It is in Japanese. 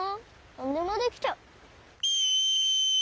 何でもできちゃう。